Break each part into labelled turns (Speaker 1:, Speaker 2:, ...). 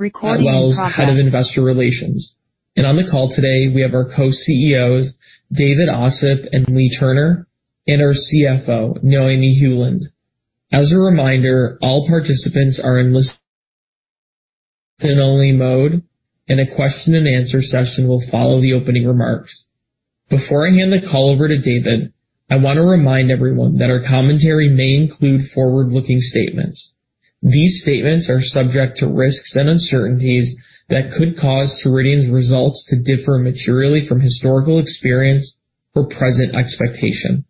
Speaker 1: Matt Wells, Head of Investor Relations. On the call today, we have our Co-CEOs, David Ossip and Leagh Turner, and our CFO, Noémie Heuland. As a reminder, all participants are in listen only mode, and a question and answer session will follow the opening remarks. Before I hand the call over to David, I wanna remind everyone that our commentary may include forward-looking statements.
Speaker 2: These statements are subject to risks and uncertainties that could cause Ceridian's results to differ materially from historical experience or present expectation.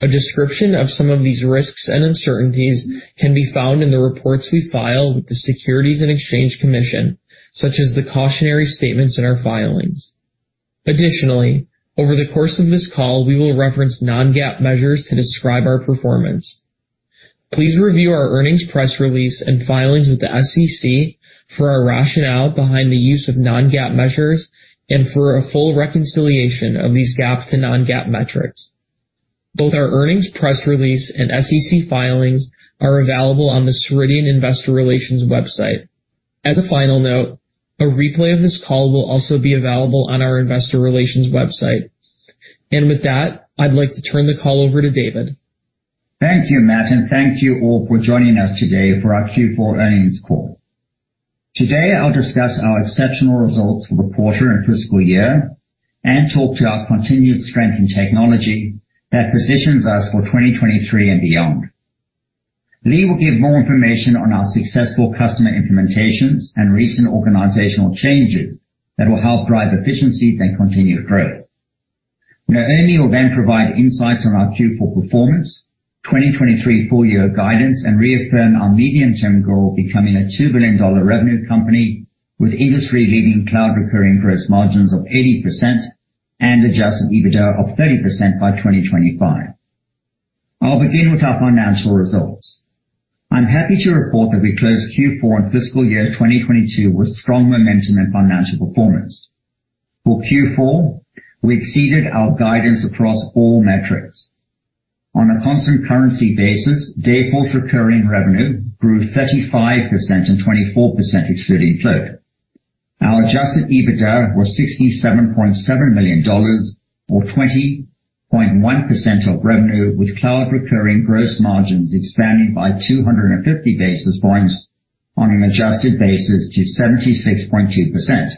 Speaker 2: A description of some of these risks and uncertainties can be found in the reports we file with the Securities and Exchange Commission, such as the cautionary statements in our filings. Additionally, over the course of this call, we will reference non-GAAP measures to describe our performance.
Speaker 1: Please review our earnings press release and filings with the SEC for our rationale behind the use of non-GAAP measures and for a full reconciliation of these GAAP to non-GAAP metrics. Both our earnings press release and SEC filings are available on the Ceridian Investor Relations website. As a final note, a replay of this call will also be available on our investor relations website. With that, I'd like to turn the call over to David.
Speaker 3: Thank you, Matt, and thank you all for joining us today for our Q4 earnings call. Today I'll discuss our exceptional results for the quarter and fiscal year and talk to our continued strength in technology that positions us for 2023 and beyond. Lee will give more information on our successful customer implementations and recent organizational changes that will help drive efficiency and continued growth. Noemi will provide insights on our Q4 performance, 2023 full year guidance, and reaffirm our medium-term goal of becoming a $2 billion revenue company with industry-leading cloud recurring gross margins of 80% and adjusted EBITDA of 30% by 2025. I'll begin with our financial results. I'm happy to report that we closed Q4 and fiscal year 2022 with strong momentum and financial performance. For Q4, we exceeded our guidance across all metrics. On a constant currency basis, Dayforce recurring revenue grew 35% and 24% excluding float. Our adjusted EBITDA was $67.7 million, or 20.1% of revenue, with cloud recurring gross margins expanding by 250 basis points on an adjusted basis to 76.2%.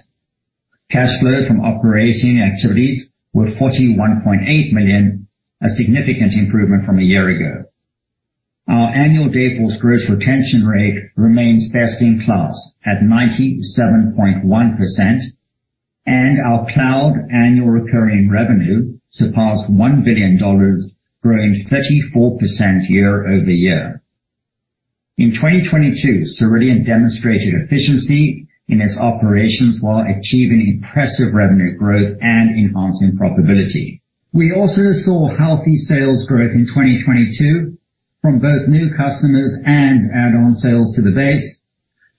Speaker 3: Cash flow from operating activities were $41.8 million, a significant improvement from a year ago. Our annual Dayforce gross retention rate remains best in class at 97.1%. Our cloud annual recurring revenue surpassed $1 billion, growing 34% year-over-year. In 2022, Ceridian demonstrated efficiency in its operations while achieving impressive revenue growth and enhancing profitability. We also saw healthy sales growth in 2022 from both new customers and add-on sales to the base.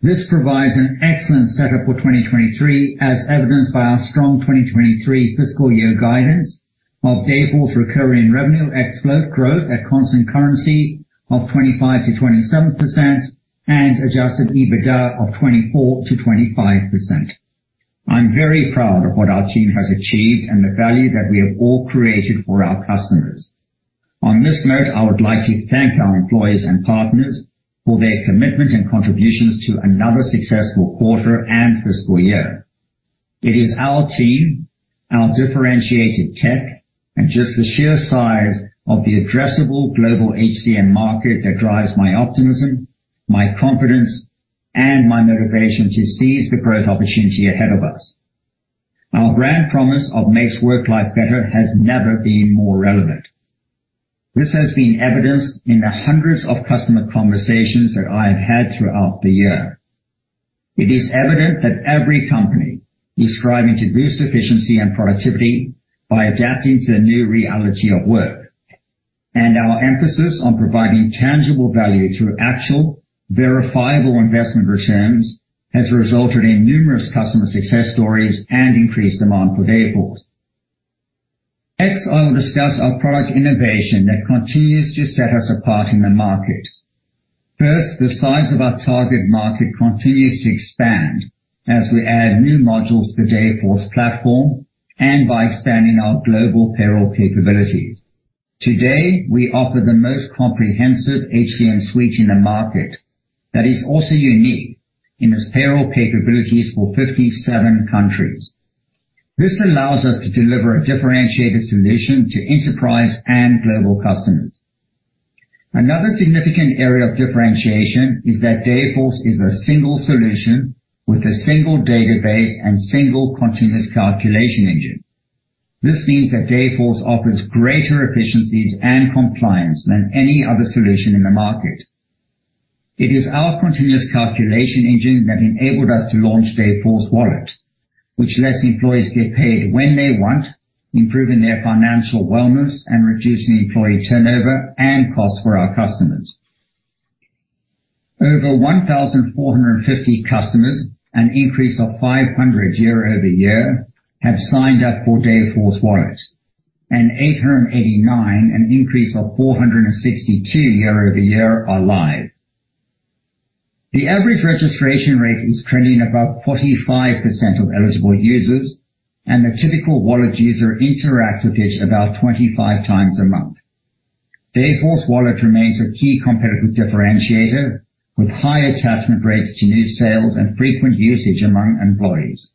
Speaker 3: This provides an excellent setup for 2023, as evidenced by our strong 2023 fiscal year guidance of Dayforce recurring revenue ex float growth at constant currency of 25%-27% and adjusted EBITDA of 24%-25%. I'm very proud of what our team has achieved and the value that we have all created for our customers. On this note, I would like to thank our employees and partners for their commitment and contributions to another successful quarter and fiscal year. It is our team, our differentiated tech, and just the sheer size of the addressable global HCM market that drives my optimism, my confidence, and my motivation to seize the growth opportunity ahead of us. Our brand promise of Makes Work Life Better has never been more relevant. This has been evidenced in the hundreds of customer conversations that I have had throughout the year. It is evident that every company is striving to boost efficiency and productivity by adapting to the new reality of work, and our emphasis on providing tangible value through actual verifiable investment returns has resulted in numerous customer success stories and increased demand for Dayforce. Next, I will discuss our product innovation that continues to set us apart in the market. First, the size of our target market continues to expand as we add new modules to Dayforce platform and by expanding our global payroll capabilities. Today, we offer the most comprehensive HCM suite in the market that is also unique in its payroll capabilities for 57 countries. This allows us to deliver a differentiated solution to enterprise and global customers. Another significant area of differentiation is that Dayforce is a single solution with a single database and single continuous calculation engine. This means that Dayforce offers greater efficiencies and compliance than any other solution in the market. It is our continuous calculation engine that enabled us to launch Dayforce Wallet, which lets employees get paid when they want, improving their financial wellness and reducing employee turnover and costs for our customers. Over 1,450 customers, an increase of 500 year-over-year, have signed up for Dayforce Wallet. 889, an increase of 462 year-over-year are live. The average registration rate is trending about 45% of eligible users, and the typical Wallet user interacts with it about 25 times a month. Dayforce Wallet remains a key competitive differentiator, with high attachment rates to new sales and frequent usage among employees.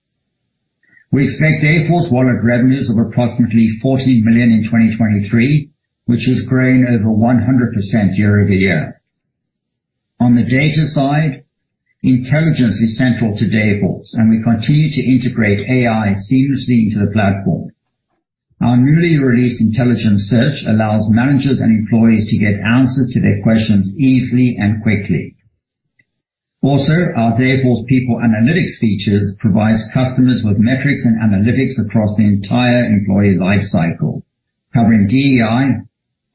Speaker 3: We expect Dayforce Wallet revenues of approximately $40 million in 2023, which has grown over 100% year-over-year. On the data side, intelligence is central to Dayforce, and we continue to integrate AI seamlessly into the platform. Our newly released Intelligent Search allows managers and employees to get answers to their questions easily and quickly. Also, our Dayforce People Analytics features provides customers with metrics and analytics across the entire employee life cycle, covering DEI,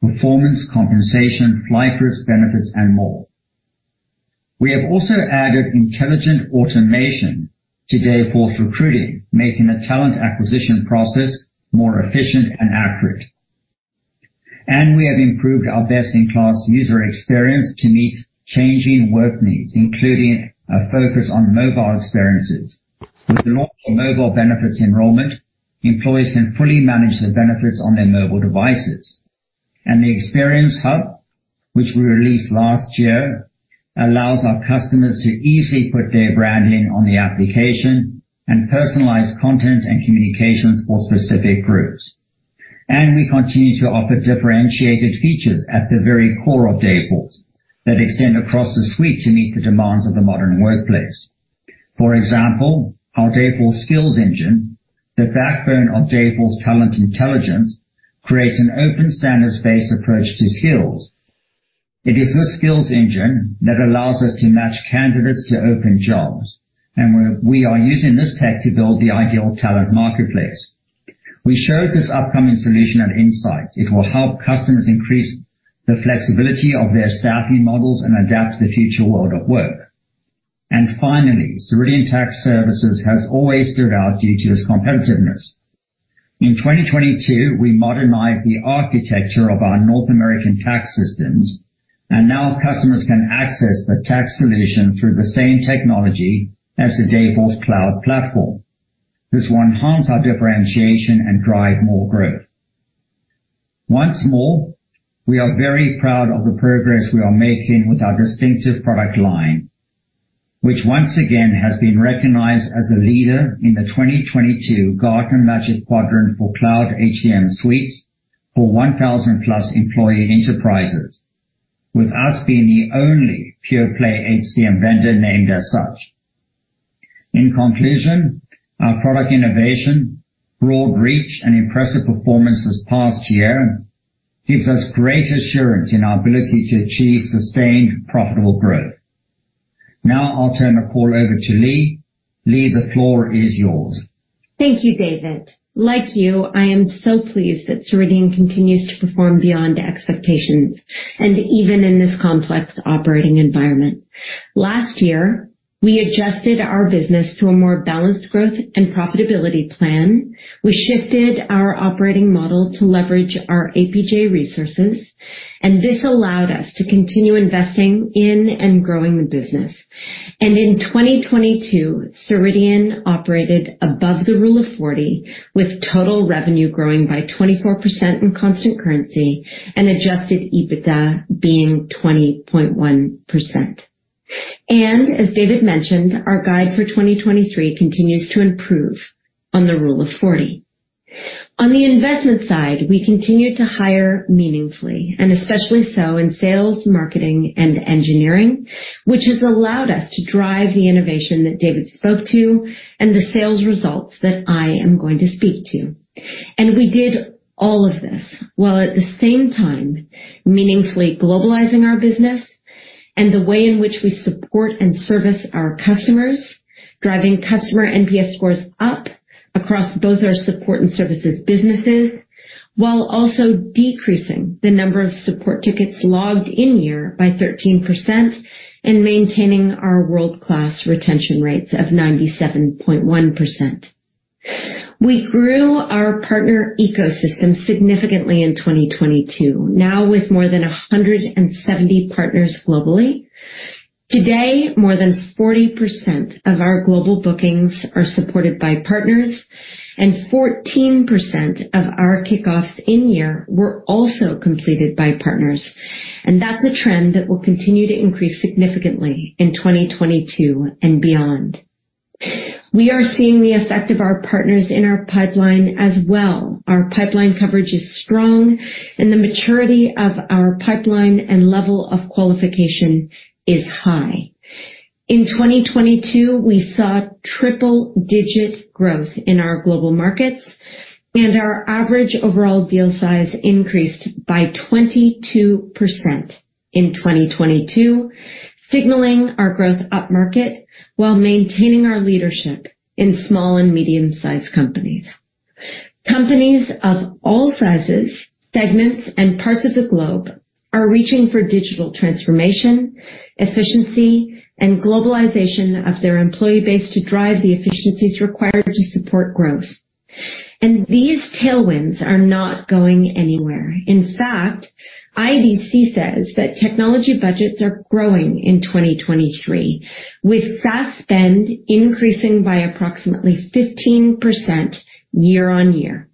Speaker 3: performance, compensation, life risk, benefits, and more. We have also added intelligent automation to Dayforce Recruiting, making the talent acquisition process more efficient and accurate. We have improved our best-in-class user experience to meet changing work needs, including a focus on mobile experiences. With the launch of mobile benefits enrollment, employees can fully manage the benefits on their mobile devices. The Experience Hub, which we released last year, allows our customers to easily put their branding on the application and personalize content and communications for specific groups. We continue to offer differentiated features at the very core of Dayforce that extend across the suite to meet the demands of the modern workplace. For example, our Dayforce Skills Engine, the backbone of Dayforce Talent Intelligence, creates an open standards-based approach to skills. It is this skills engine that allows us to match candidates to open jobs, and we are using this tech to build the Ideal Talent Marketplace. We showed this upcoming solution at INSIGHTS. It will help customers increase the flexibility of their staffing models and adapt to the future world of work. Finally, Ceridian Tax Services has always stood out due to its competitiveness. In 2022, we modernized the architecture of our North American tax systems, and now customers can access the tax solution through the same technology as the Dayforce cloud platform. This will enhance our differentiation and drive more growth. Once more, we are very proud of the progress we are making with our distinctive product line, which once again has been recognized as a leader in the 2022 Gartner Magic Quadrant for Cloud HCM Suites for 1,000+ employee enterprises, with us being the only pure play HCM vendor named as such. In conclusion, our product innovation, broad reach, and impressive performance this past year gives us great assurance in our ability to achieve sustained profitable growth. Now I'll turn the call over to Leagh. Leagh, the floor is yours.
Speaker 4: Thank you, David. Like you, I am so pleased that Ceridian continues to perform beyond expectations and even in this complex operating environment. Last year, we adjusted our business to a more balanced growth and profitability plan. We shifted our operating model to leverage our APJ resources. This allowed us to continue investing in and growing the business. In 2022, Ceridian operated above the Rule of 40, with total revenue growing by 24% in constant currency and adjusted EBITDA being 20.1%. As David mentioned, our guide for 2023 continues to improve on the Rule of 40. On the investment side, we continued to hire meaningfully, and especially so in sales, marketing, and engineering, which has allowed us to drive the innovation that David spoke to and the sales results that I am going to speak to. We did all of this while at the same time meaningfully globalizing our business and the way in which we support and service our customers, driving customer NPS scores up across both our support and services businesses, while also decreasing the number of support tickets logged in year by 13% and maintaining our world-class retention rates of 97.1%. We grew our partner ecosystem significantly in 2022, now with more than 170 partners globally. Today, more than 40% of our global bookings are supported by partners, and 14% of our kickoffs in year were also completed by partners. That's a trend that will continue to increase significantly in 2022 and beyond. We are seeing the effect of our partners in our pipeline as well. Our pipeline coverage is strong, the maturity of our pipeline and level of qualification is high. In 2022, we saw triple-digit growth in our global markets, our average overall deal size increased by 22% in 2022, signaling our growth upmarket while maintaining our leadership in small and medium-sized companies. Companies of all sizes, segments, and parts of the globe are reaching for digital transformation, efficiency, and globalization of their employee base to drive the efficiencies required to support growth. These tailwinds are not going anywhere. In fact, IDC says that technology budgets are growing in 2023, with fast spend increasing by approximately 15% year-on-year.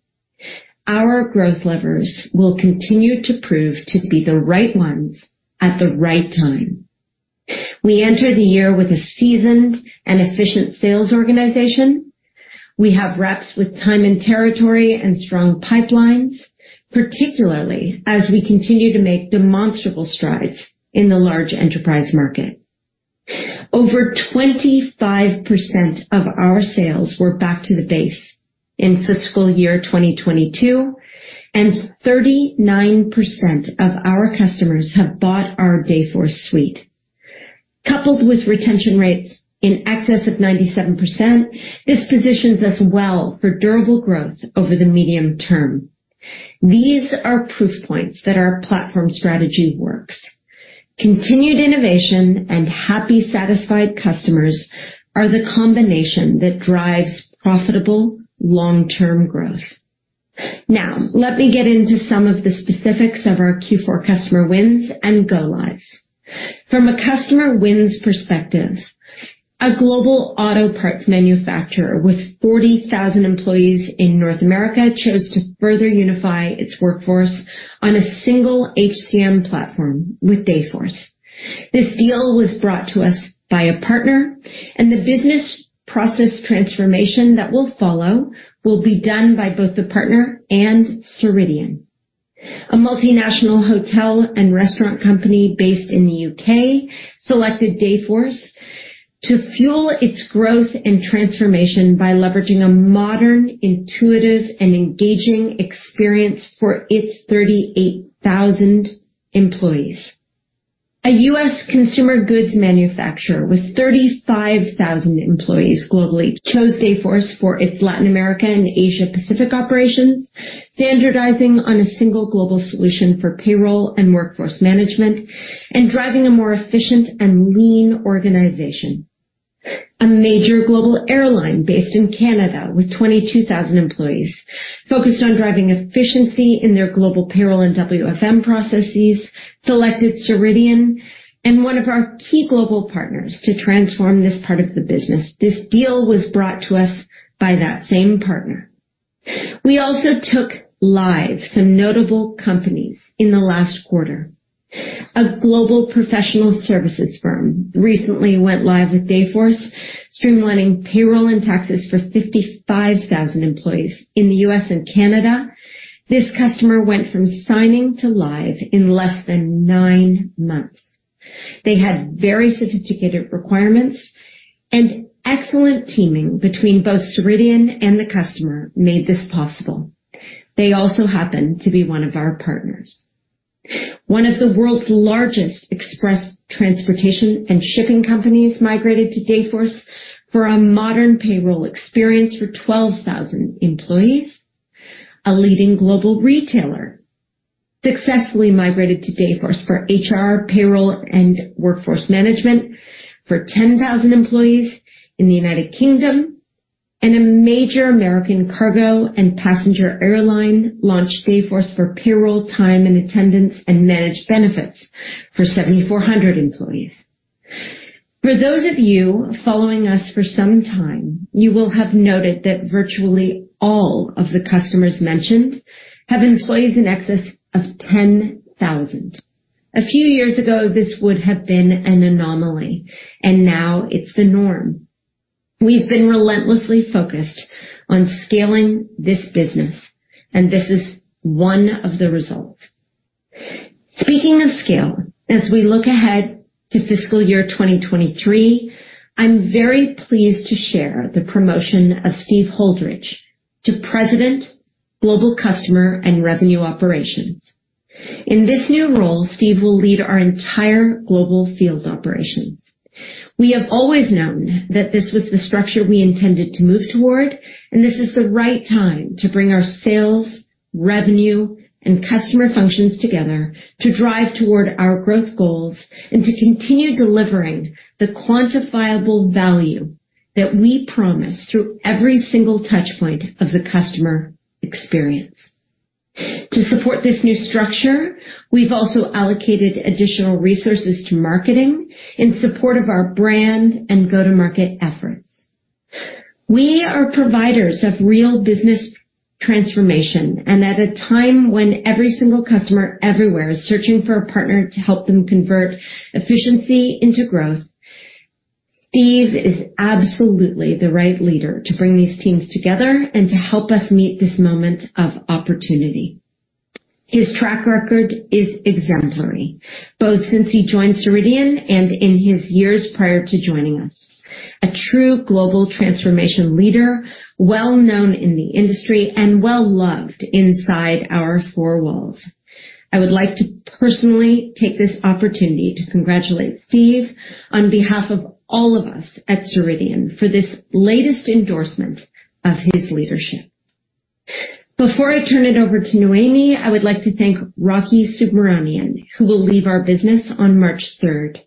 Speaker 4: Our growth levers will continue to prove to be the right ones at the right time. We enter the year with a seasoned and efficient sales organization. We have reps with time and territory and strong pipelines, particularly as we continue to make demonstrable strides in the large enterprise market. Over 25% of our sales were back to the base in fiscal year 2022, and 39% of our customers have bought our Dayforce suite. Coupled with retention rates in excess of 97%, this positions us well for durable growth over the medium term. These are proof points that our platform strategy works. Continued innovation and happy, satisfied customers are the combination that drives profitable long-term growth. Now, let me get into some of the specifics of our Q4 customer wins and go lives. From a customer wins perspective, a global auto parts manufacturer with 40,000 employees in North America chose to further unify its workforce on a single HCM platform with Dayforce. This deal was brought to us by a partner, and the business process transformation that will follow will be done by both the partner and Ceridian. A multinational hotel and restaurant company based in the U.K. selected Dayforce to fuel its growth and transformation by leveraging a modern, intuitive, and engaging experience for its 38,000 employees. A U.S. consumer goods manufacturer with 35,000 employees globally chose Dayforce for its Latin America and Asia Pacific operations, standardizing on a single global solution for payroll and workforce management and driving a more efficient and lean organization. A major global airline based in Canada with 22,000 employees focused on driving efficiency in their global payroll and WFM processes selected Ceridian and one of our key global partners to transform this part of the business. This deal was brought to us by that same partner. We also took live some notable companies in the last quarter. A global professional services firm recently went live with Dayforce, streamlining payroll and taxes for 55,000 employees in the U.S. and Canada. This customer went from signing to live in less than nine months. They had very sophisticated requirements, and excellent teaming between both Ceridian and the customer made this possible. They also happen to be one of our partners. One of the world's largest express transportation and shipping companies migrated to Dayforce for a modern payroll experience for 12,000 employees. A leading global retailer successfully migrated to Dayforce for HR, payroll, and workforce management for 10,000 employees in the U.K. A major American cargo and passenger airline launched Dayforce for payroll, time and attendance, and managed benefits for 7,400 employees. For those of you following us for some time, you will have noted that virtually all of the customers mentioned have employees in excess of 10,000. A few years ago, this would have been an anomaly, and now it's the norm. We've been relentlessly focused on scaling this business, and this is one of the results. Speaking of scale, as we look ahead to fiscal year 2023, I'm very pleased to share the promotion of Steve Holdridge to President, Global Customer and Revenue Operations. In this new role, Steve will lead our entire global fields operations. We have always known that this was the structure we intended to move toward, and this is the right time to bring our sales, revenue, and customer functions together to drive toward our growth goals and to continue delivering the quantifiable value that we promise through every single touch point of the customer experience. To support this new structure, we've also allocated additional resources to marketing in support of our brand and go-to-market efforts. We are providers of real business transformation and at a time when every single customer everywhere is searching for a partner to help them convert efficiency into growth, Steve is absolutely the right leader to bring these teams together and to help us meet this moment of opportunity. His track record is exemplary, both since he joined Ceridian and in his years prior to joining us. A true global transformation leader, well-known in the industry and well-loved inside our four walls. I would like to personally take this opportunity to congratulate Steve on behalf of all of us at Ceridian for this latest endorsement of his leadership. Before I turn it over to Noémie, I would like to thank Rocky Subramanian, who will leave our business on March 3rd.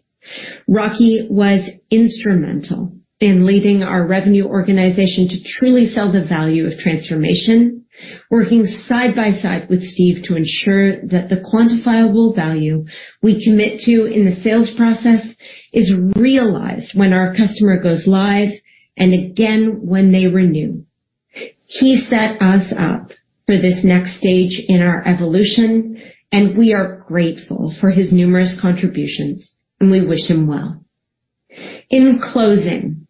Speaker 4: Rocky was instrumental in leading our revenue organization to truly sell the value of transformation, working side by side with Steve to ensure that the quantifiable value we commit to in the sales process is realized when our customer goes live, and again when they renew. He set us up for this next stage in our evolution. We are grateful for his numerous contributions. We wish him well. In closing,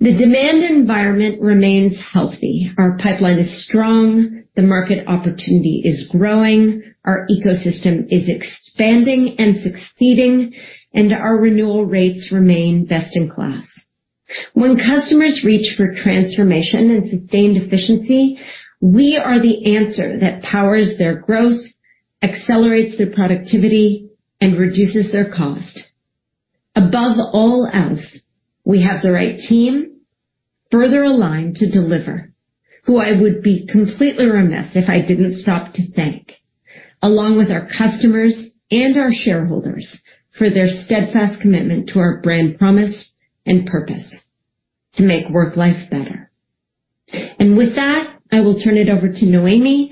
Speaker 4: the demand environment remains healthy. Our pipeline is strong. The market opportunity is growing. Our ecosystem is expanding and succeeding. Our renewal rates remain best in class. When customers reach for transformation and sustained efficiency, we are the answer that powers their growth, accelerates their productivity, and reduces their cost. Above all else, we have the right team further aligned to deliver, who I would be completely remiss if I didn't stop to thank, along with our customers and our shareholders for their steadfast commitment to our brand promise and purpose to Makes Work Life Better. With that, I will turn it over to Noémie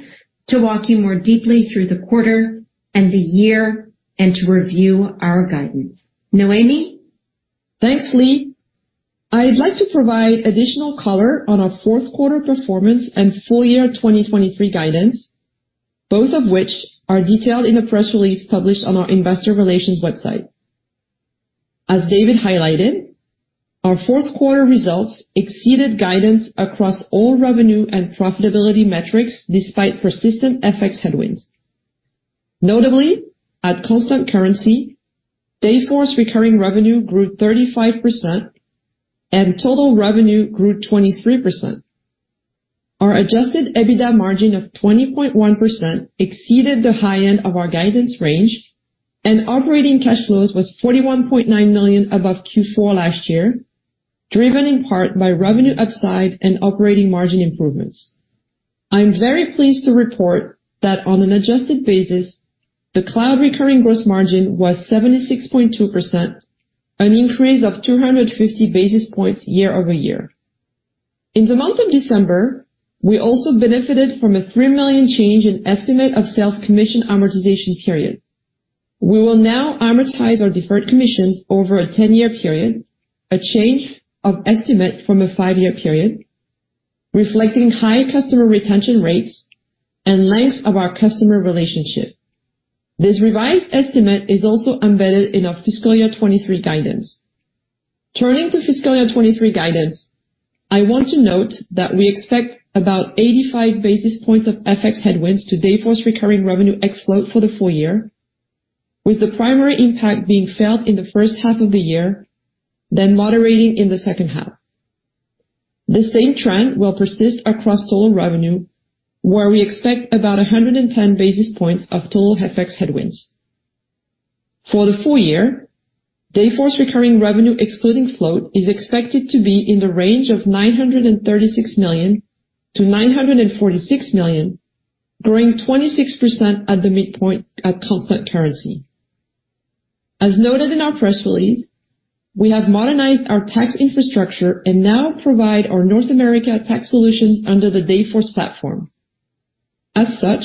Speaker 4: to walk you more deeply through the quarter and the year and to review our guidance. Noémie?
Speaker 5: Thanks, Leagh. I'd like to provide additional color on our fourth quarter performance and full year 2023 guidance, both of which are detailed in the press release published on our investor relations website. As David highlighted, our fourth quarter results exceeded guidance across all revenue and profitability metrics despite persistent FX headwinds. Notably, at constant currency, Dayforce recurring revenue grew 35% and total revenue grew 23%. Our adjusted EBITDA margin of 20.1% exceeded the high end of our guidance range, and operating cash flows was $41.9 million above Q4 last year, driven in part by revenue upside and operating margin improvements. I'm very pleased to report that on an adjusted basis, the cloud recurring gross margin was 76.2%, an increase of 250 basis points year-over-year. In the month of December, we also benefited from a $3 million change in estimate of sales commission amortization period. We will now amortize our deferred commissions over a 10-year period, a change of estimate from a five-year period, reflecting high customer retention rates and length of our customer relationship. This revised estimate is also embedded in our fiscal year 2023 guidance. Turning to fiscal year 2023 guidance, I want to note that we expect about 85 basis points of FX headwinds to Dayforce recurring revenue ex float for the full year, with the primary impact being felt in the first half of the year, then moderating in the second half. The same trend will persist across total revenue, where we expect about 110 basis points of total FX headwinds. For the full year, Dayforce recurring revenue excluding float is expected to be in the range of $936 million to $946 million, growing 26% at the midpoint at constant currency. As noted in our press release, we have modernized our tax infrastructure and now provide our North America tax solutions under the Dayforce platform. As such,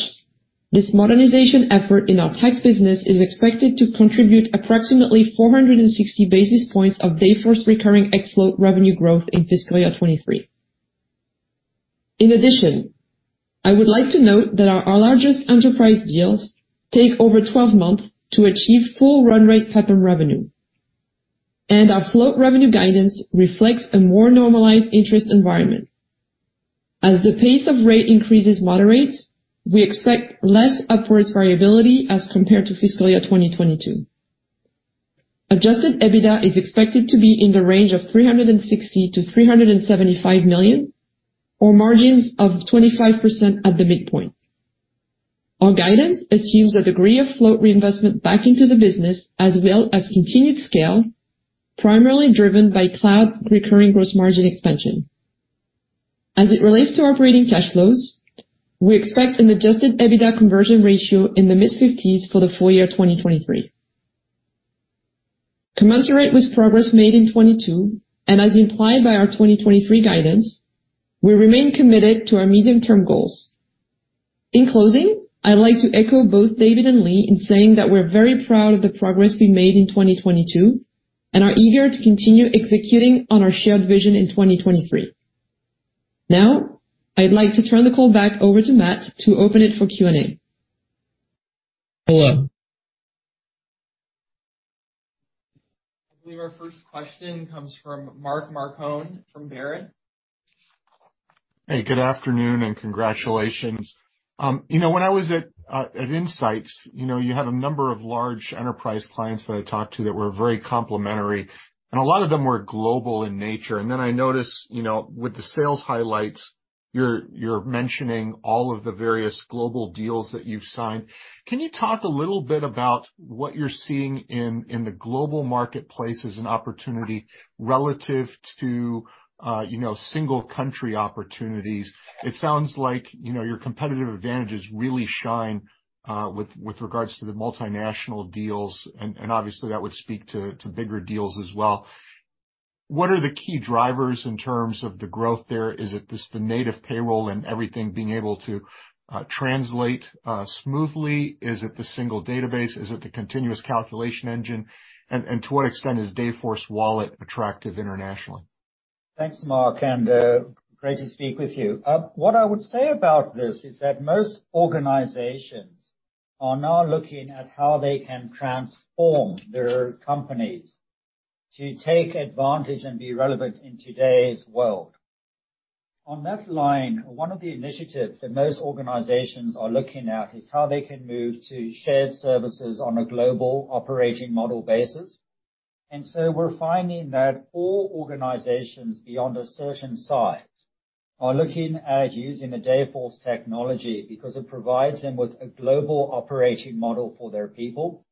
Speaker 5: this modernization effort in our tax business is expected to contribute approximately 460 basis points of Dayforce recurring ex float revenue growth in fiscal year 2023. In addition, I would like to note that our largest enterprise deals take over 12 months to achieve full run rate type of revenue, and our float revenue guidance reflects a more normalized interest environment. As the pace of rate increases moderates, we expect less upwards variability as compared to fiscal year 2022. Adjusted EBITDA is expected to be in the range of $360 million to $375 million, or margins of 25% at the midpoint. Our guidance assumes a degree of float reinvestment back into the business, as well as continued scale, primarily driven by cloud recurring gross margin expansion. As it relates to operating cash flows, we expect an adjusted EBITDA conversion ratio in the mid-50s for the full year 2023. Commensurate with progress made in 2022, and as implied by our 2023 guidance, we remain committed to our medium-term goals. In closing, I'd like to echo both David and Leagh in saying that we're very proud of the progress we made in 2022 and are eager to continue executing on our shared vision in 2023. Now, I'd like to turn the call back over to Matt to open it for Q&A.
Speaker 1: Hello. I believe our first question comes from Mark Marcon from Baird.
Speaker 6: Hey, good afternoon, and congratulations. You know, when I was at Insights, you know, you had a number of large enterprise clients that I talked to that were very complimentary, a lot of them were global in nature. I noticed, you know, with the sales highlights you're mentioning all of the various global deals that you've signed. Can you talk a little bit about what you're seeing in the global marketplace as an opportunity relative to, you know, single country opportunities? It sounds like, you know, your competitive advantages really shine with regards to the multinational deals, and obviously that would speak to bigger deals as well. What are the key drivers in terms of the growth there? Is it just the native payroll and everything being able to translate smoothly? Is it the single database? Is it the continuous calculation engine? And to what extent is Dayforce Wallet attractive internationally?
Speaker 3: Thanks, Mark, great to speak with you. What I would say about this is that most organizations are now looking at how they can transform their companies to take advantage and be relevant in today's world. On that line, one of the initiatives that most organizations are looking at is how they can move to shared services on a global operating model basis. We're finding that all organizations beyond a certain size are looking at using the Dayforce technology because it provides them with a global operating model for their people.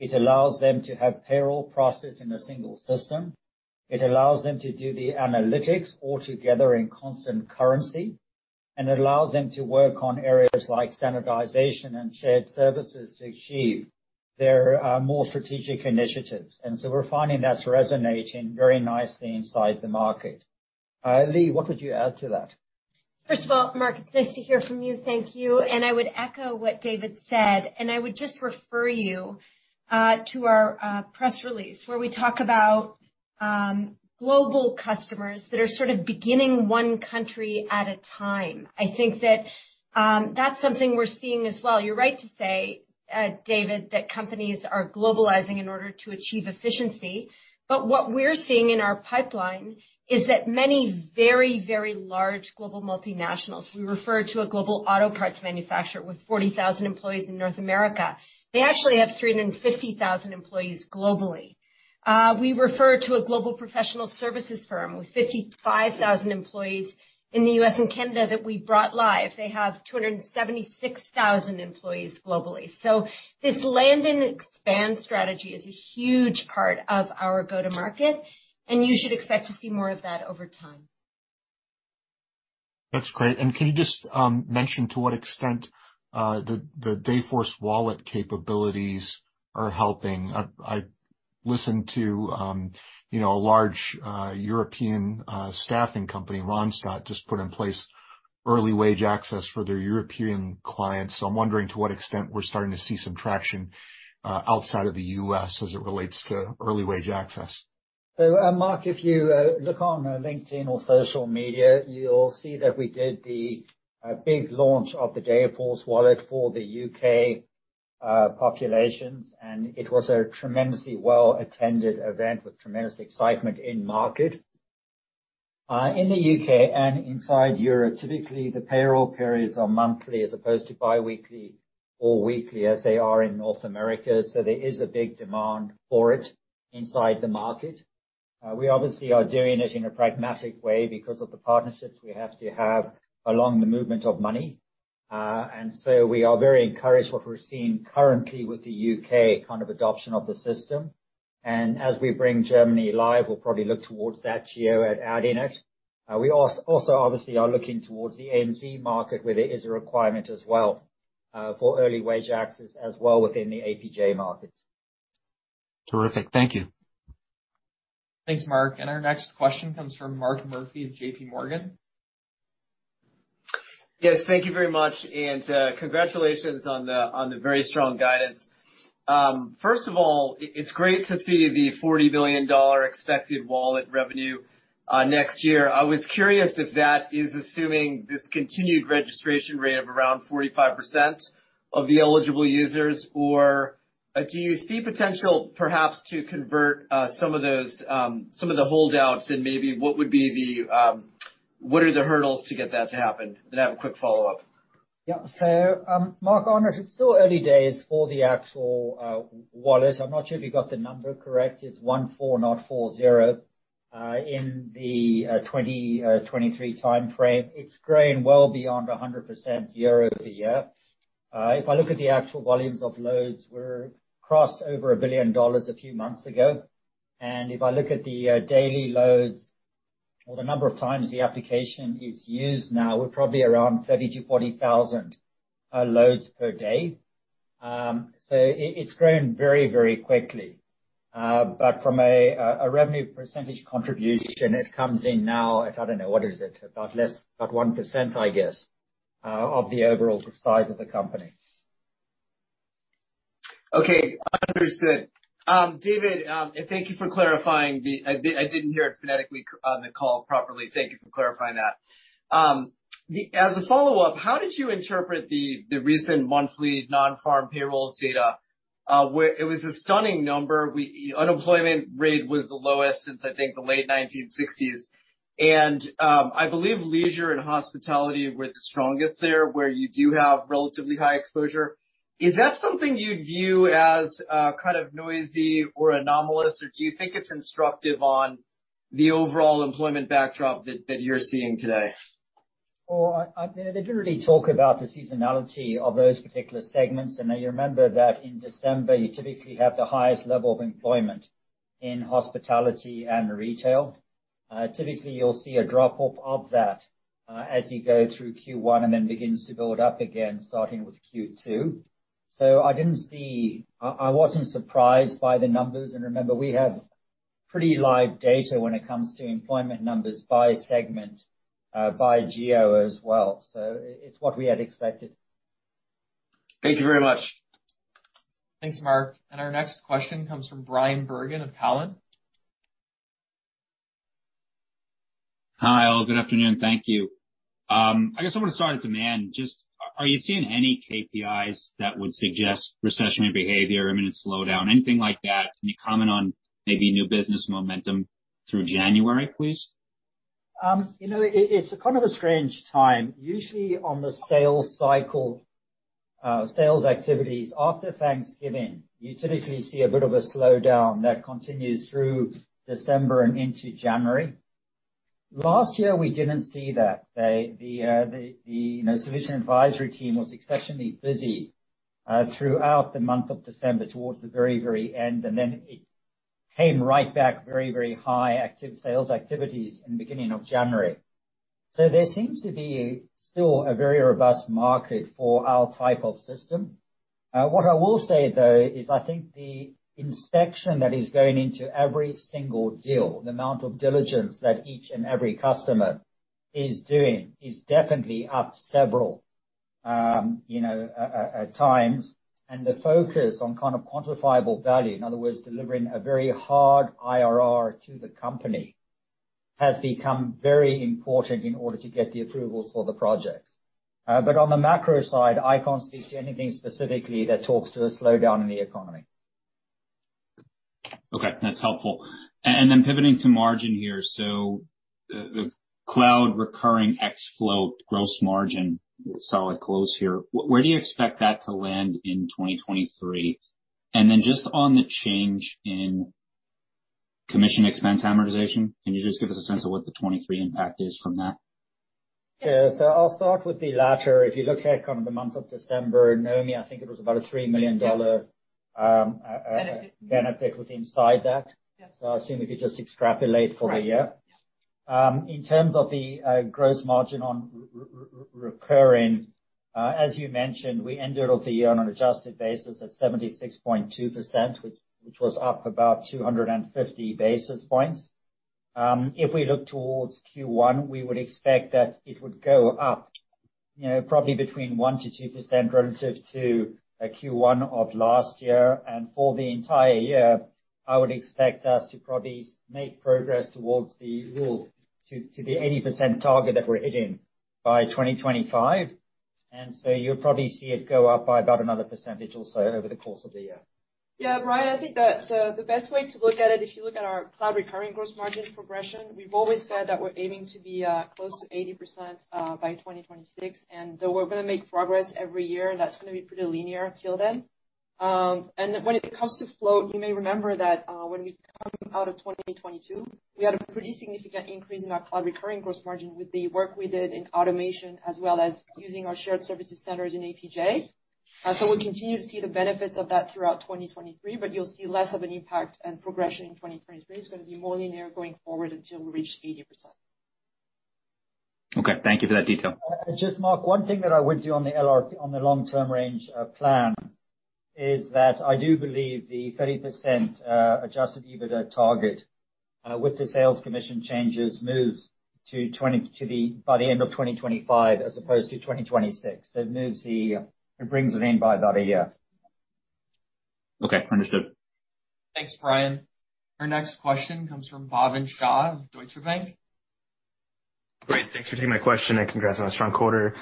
Speaker 3: It allows them to have payroll processed in a single system. It allows them to do the analytics all together in constant currency. It allows them to work on areas like standardization and shared services to achieve their more strategic initiatives. We're finding that's resonating very nicely inside the market. Leagh, what would you add to that?
Speaker 4: First of all, Mark, it's nice to hear from you. Thank you. I would echo what David said, and I would just refer you to our press release where we talk about global customers that are sort of beginning one country at a time. I think that's something we're seeing as well. You're right to say, David, that companies are globalizing in order to achieve efficiency. What we're seeing in our pipeline is that many very, very large global multinationals, we refer to a global auto parts manufacturer with 40,000 employees in North America. They actually have 350,000 employees globally. We refer to a global professional services firm with 55,000 employees in the U.S. and Canada that we brought live. They have 276,000 employees globally. This land and expand strategy is a huge part of our go-to-market, and you should expect to see more of that over time.
Speaker 6: That's great. Can you just mention to what extent the Dayforce Wallet capabilities are helping? I listened to, you know, a large European staffing company, Randstad, just put in place early wage access for their European clients. I'm wondering to what extent we're starting to see some traction outside of the U.S. as it relates to early wage access.
Speaker 3: Mark, if you look on LinkedIn or social media, you'll see that we did the big launch of the Dayforce Wallet for the U.K. populations, it was a tremendously well-attended event with tremendous excitement in market. In the U.K. and inside Europe, typically, the payroll periods are monthly as opposed to bi-weekly or weekly as they are in North America, there is a big demand for it inside the market. We obviously are doing it in a pragmatic way because of the partnerships we have to have along the movement of money. We are very encouraged what we're seeing currently with the U.K. kind of adoption of the system. As we bring Germany live, we'll probably look towards that geo at adding it. We also obviously are looking towards the ANZ market, where there is a requirement as well, for early wage access as well within the APJ market.
Speaker 6: Terrific. Thank you.
Speaker 1: Thanks, Mark. Our next question comes from Mark Murphy of JPMorgan.
Speaker 7: Yes, thank you very much. Congratulations on the very strong guidance. First of all, it's great to see the $40 billion expected Wallet revenue next year. I was curious if that is assuming this continued registration rate of around 45% of the eligible users, or do you see potential perhaps to convert some of those, some of the holdouts, and maybe what would be the, what are the hurdles to get that to happen? I have a quick follow-up.
Speaker 3: Yeah. Mark, honestly, it's still early days for the actual Wallet. I'm not sure if you got the number correct. It's one four, not four zero, in the 2023 timeframe. It's growing well beyond 100% year-over-year. If I look at the actual volumes of loads, we're crossed over $1 billion a few months ago. If I look at the daily loads or the number of times the application is used now, we're probably around 30,000-40,000 loads per day. It's growing very, very quickly. From a revenue percentage contribution, it comes in now at, I don't know, what is it? About less, about 1%, I guess, of the overall size of the company.
Speaker 7: Okay. Understood. David, thank you for clarifying the. I didn't hear it phonetically on the call properly. Thank you for clarifying that. As a follow-up, how did you interpret the recent monthly non-farm payrolls data? Where it was a stunning number. Unemployment rate was the lowest since, I think, the late 1960s. I believe leisure and hospitality were the strongest there, where you do have relatively high exposure. Is that something you'd view as kind of noisy or anomalous, or do you think it's instructive on the overall employment backdrop that you're seeing today?
Speaker 3: Well, they didn't really talk about the seasonality of those particular segments. You remember that in December, you typically have the highest level of employment in hospitality and retail. Typically, you'll see a drop-off of that as you go through Q1 and then begins to build up again starting with Q2. I wasn't surprised by the numbers. Remember, we have pretty live data when it comes to employment numbers by segment, by geo as well. It's what we had expected.
Speaker 7: Thank you very much.
Speaker 1: Thanks, Mark. Our next question comes from Bryan Bergin of Cowen.
Speaker 8: Hi, all. Good afternoon. Thank you. I guess I wanna start at demand. Are you seeing any KPIs that would suggest recessionary behavior, imminent slowdown, anything like that? Can you comment on maybe new business momentum through January, please?
Speaker 3: You know, it's a kind of a strange time. Usually, on the sales cycle, sales activities after Thanksgiving, you typically see a bit of a slowdown that continues through December and into January. Last year, we didn't see that. The, you know, solution advisory team was exceptionally busy throughout the month of December towards the very, very end, and then it came right back very, very high sales activities in the beginning of January. There seems to be still a very robust market for our type of system. What I will say, though, is I think the inspection that is going into every single deal, the amount of diligence that each and every customer is doing is definitely up several, you know, times. The focus on kind of quantifiable value, in other words, delivering a very hard IRR to the company, has become very important in order to get the approvals for the projects. On the macro side, I can't speak to anything specifically that talks to a slowdown in the economy.
Speaker 8: Okay, that's helpful. Pivoting to margin here. The cloud recurring ex-float gross margin solid close here. Where do you expect that to land in 2023? Just on the change in commission expense amortization, can you just give us a sense of what the 23 impact is from that?
Speaker 3: Yeah. I'll start with the latter. If you look at kind of the month of December, Noémie, I think it was about a $3 million,
Speaker 4: Benefit.
Speaker 3: Benefit within inside that.
Speaker 4: Yes.
Speaker 3: I assume we could just extrapolate for the year.
Speaker 4: Right. Yeah.
Speaker 3: In terms of the gross margin on recurring, as you mentioned, we ended the year on an adjusted basis at 76.2%, which was up about 250 basis points. If we look towards Q1, we would expect that it would go up, you know, probably between 1%-2% relative to Q1 of last year. For the entire year, I would expect us to probably make progress towards the rule, to the 80% target that we're hitting by 2025. You'll probably see it go up by about another percentage also over the course of the year.
Speaker 4: Yeah, Bryan, I think the best way to look at it, if you look at our cloud recurring gross margin progression, we've always said that we're aiming to be close to 80% by 2026, and that we're gonna make progress every year, and that's gonna be pretty linear till then. When it comes to float, you may remember that when we come out of 2022, we had a pretty significant increase in our cloud recurring gross margin with the work we did in automation, as well as using our shared services centers in APJ. We'll continue to see the benefits of that throughout 2023, but you'll see less of an impact and progression in 2023. It's gonna be more linear going forward until we reach 80%.
Speaker 8: Okay. Thank you for that detail.
Speaker 3: Just Bryan, one thing that I would do on the long-term range plan, is that I do believe the 30% adjusted EBITDA target, with the sales commission changes, moves to by the end of 2025 as opposed to 2026. It moves the. It brings it in by about a year.
Speaker 8: Okay, understood.
Speaker 1: Thanks, Bryan. Our next question comes from Bhavin Shah of Deutsche Bank.
Speaker 9: Great. Thanks for taking my question, and congrats on a strong quarter.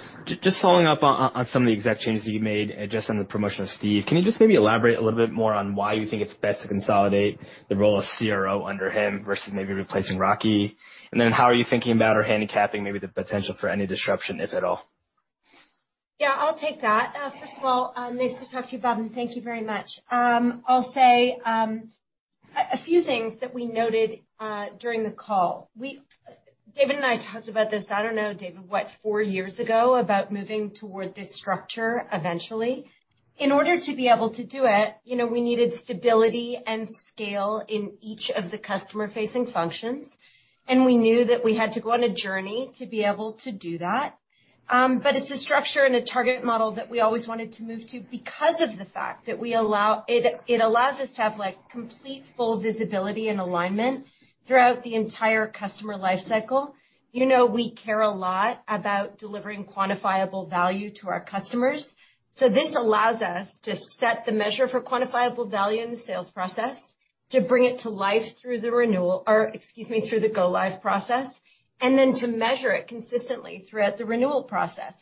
Speaker 9: Just following up on some of the exec changes that you made, just on the promotion of Steve, can you just maybe elaborate a little bit more on why you think it's best to consolidate the role of CRO under him versus maybe replacing Rocky? Then how are you thinking about or handicapping maybe the potential for any disruption, if at all?
Speaker 4: Yeah, I'll take that. First of all, nice to talk to you, Bhavin. Thank you very much. I'll say a few things that we noted during the call. David and I talked about this, I don't know, David, what, four years ago, about moving toward this structure eventually. In order to be able to do it, you know, we needed stability and scale in each of the customer-facing functions, and we knew that we had to go on a journey to be able to do that. But it's a structure and a target model that we always wanted to move to because of the fact that it allows us to have, like, complete, full visibility and alignment throughout the entire customer life cycle. You know, we care a lot about delivering quantifiable value to our customers. This allows us to set the measure for quantifiable value in the sales process, to bring it to life through the renewal or excuse me, through the go-live process, and then to measure it consistently throughout the renewal process.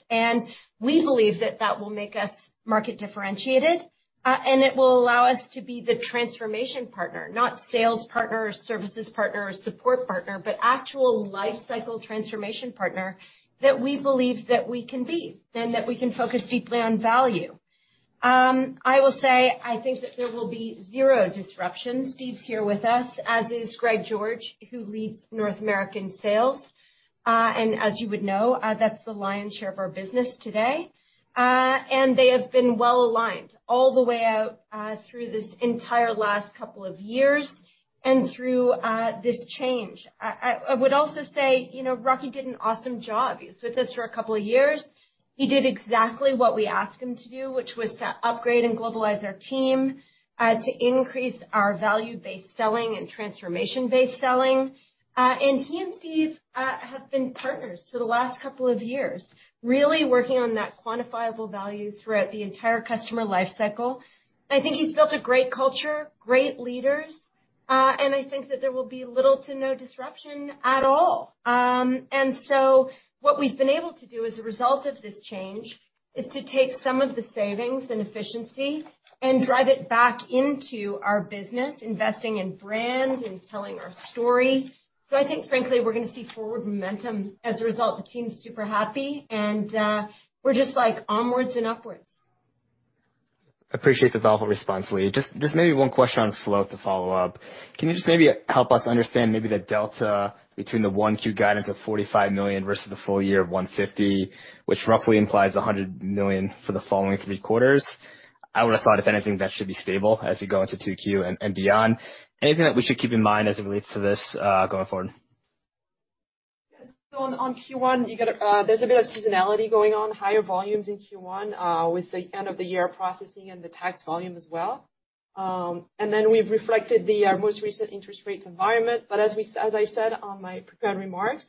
Speaker 4: We believe that that will make us market differentiated. It will allow us to be the transformation partner, not sales partner or services partner or support partner, but actual lifecycle transformation partner that we believe that we can be and that we can focus deeply on value. I will say I think that there will be zero disruptions. Steve's here with us, as is Greg George, who leads North American sales. As you would know, that's the lion's share of our business today. They have been well-aligned all the way out through this entire last couple of years and through this change. I would also say, you know, Rocky Subramanian did an awesome job. He was with us for a couple of years. He did exactly what we asked him to do, which was to upgrade and globalize our team, to increase our value-based selling and transformation-based selling. He and Steve Holdridge have been partners for the last couple of years, really working on that quantifiable value throughout the entire customer life cycle. I think he's built a great culture, great leaders, and I think that there will be little to no disruption at all. What we've been able to do as a result of this change is to take some of the savings and efficiency and drive it back into our business, investing in brand and telling our story. I think frankly, we're gonna see forward momentum as a result. The team's super happy and we're just like onwards and upwards.
Speaker 9: Appreciate the thoughtful response, Leagh. Just maybe one question on flow to follow up. Can you just maybe help us understand maybe the one Q guidance of $45 million versus the full year of $150 million, which roughly implies $100 million for the following three quarters? I would have thought, if anything, that should be stable as we go into two Q and beyond. Anything that we should keep in mind as it relates to this going forward?
Speaker 5: on Q1, you got there's a bit of seasonality going on. Higher volumes in Q1, with the end of the year processing and the tax volume as well. we've reflected the most recent interest rates environment. as I said on my prepared remarks,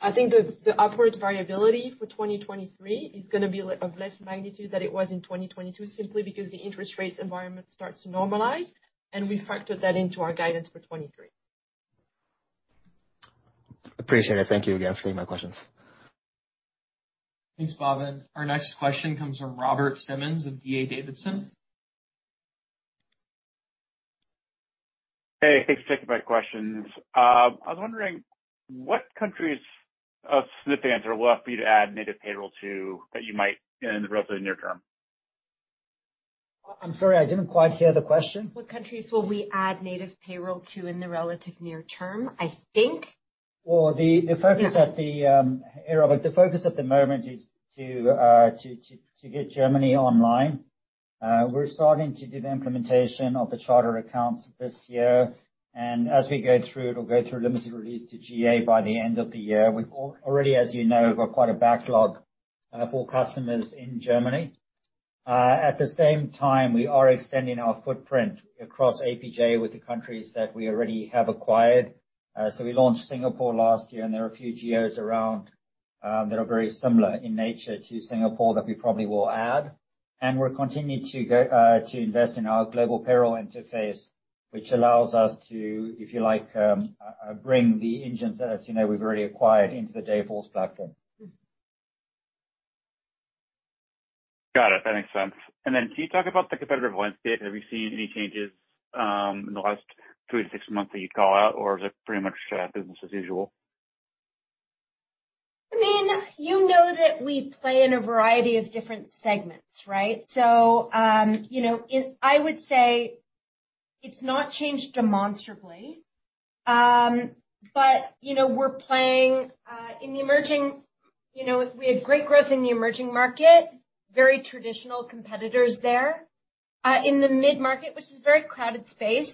Speaker 5: I think the upwards variability for 2023 is gonna be of less magnitude than it was in 2022, simply because the interest rates environment starts to normalize, and we factored that into our guidance for 2023.
Speaker 9: Appreciate it. Thank you again for taking my questions.
Speaker 1: Thanks, Bhavin. Our next question comes from Robert Simmons of D.A. Davidson.
Speaker 10: Hey, thanks for taking my questions. I was wondering what countries Ceridian will have for you to add native payroll to that you might in the relatively near term.
Speaker 3: I'm sorry, I didn't quite hear the question.
Speaker 4: What countries will we add native payroll to in the relative near term? I think.
Speaker 3: Hey, Robert. The focus at the moment is to get Germany online. We're starting to do the implementation of the charter accounts this year, and as we go through, it'll go through a limited release to GA by the end of the year. We've already, as you know, got quite a backlog for customers in Germany. At the same time, we are extending our footprint across APJ with the countries that we already have acquired. We launched Singapore last year, and there are a few geos around that are very similar in nature to Singapore that we probably will add. We're continuing to go to invest in our global payroll interface, which allows us to, if you like, bring the engines that, as you know, we've already acquired into the Dayforce platform.
Speaker 10: Got it. That makes sense. Can you talk about the competitive landscape? Have you seen any changes in the last three to six months that you'd call out, or is it pretty much business as usual?
Speaker 4: I mean, you know that we play in a variety of different segments, right? I would say it's not changed demonstrably. You know, we're playing. You know, we have great growth in the emerging market, very traditional competitors there. In the mid-market, which is a very crowded space,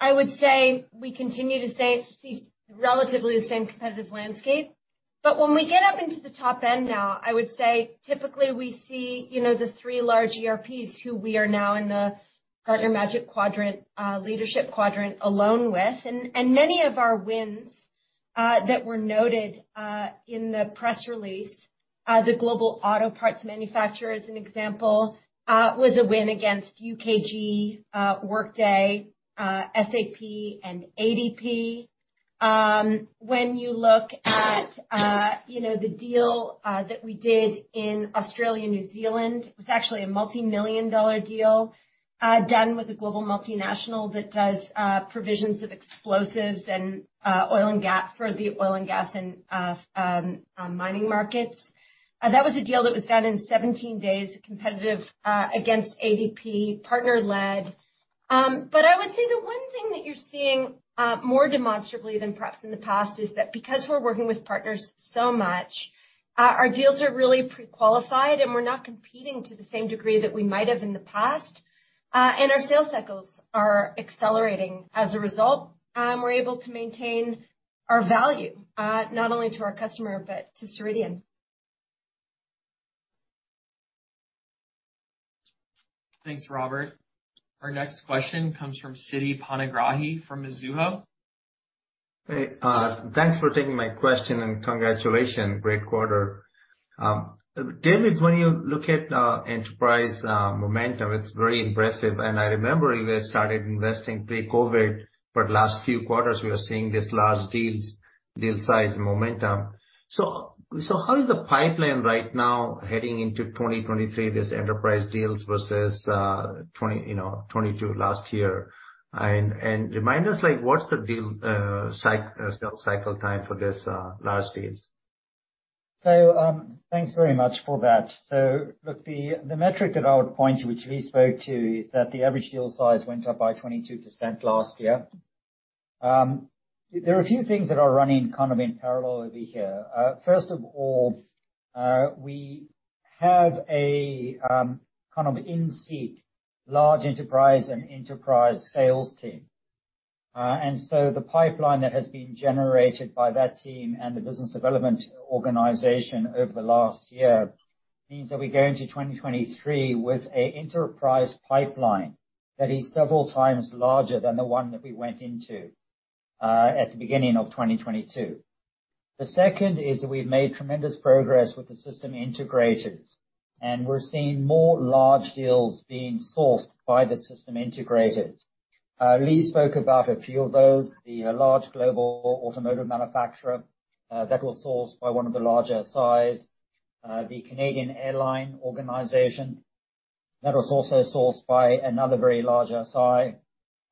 Speaker 4: I would say we continue to see relatively the same competitive landscape. When we get up into the top end now, I would say typically we see, you know, the three large ERPs who we are now in the Gartner Magic Quadrant leadership quadrant alone with. Many of our wins that were noted in the press release, the global auto parts manufacturer as an example, was a win against UKG, Workday, SAP and ADP. When you look at the deal that we did in Australia, New Zealand, it was a multi-million dollar deal done with a global multinational that does provisions of explosives and oil and gas and mining markets. That was a deal that was done in 17 days, competitive against ADP, partner-led. I would say the one thing that you're seeing more demonstrably than perhaps in the past is that because we're working with partners so much, our deals are really pre-qualified, and we're not competing to the same degree that we might have in the past. Our sales cycles are accelerating as a result. We're able to maintain our value not only to our customer, but to Ceridian.
Speaker 1: Thanks, Robert. Our next question comes from Siti Panigrahi from Mizuho.
Speaker 11: Hey, thanks for taking my question and congratulations. Great quarter. David, when you look at enterprise momentum, it's very impressive. I remember you guys started investing pre-COVID, but last few quarters, we are seeing these large deals, deal size momentum. How is the pipeline right now heading into 2023, these enterprise deals versus 2022 last year? Remind us, like, what's the deal sales cycle time for this large deals?
Speaker 3: Thanks very much for that. Look, the metric that I would point to, which Lee spoke to, is that the average deal size went up by 22% last year. There are a few things that are running kind of in parallel over here. First of all, we have a kind of in-seat large enterprise and enterprise sales team. The pipeline that has been generated by that team and the business development organization over the last year means that we go into 2023 with a enterprise pipeline that is several times larger than the one that we went into at the beginning of 2022. The second is we've made tremendous progress with the system integrators, and we're seeing more large deals being sourced by the system integrators. Leagh spoke about a few of those, the large global automotive manufacturer, that was sourced by one of the larger SIs. The Canadian airline organization that was also sourced by another very large SI.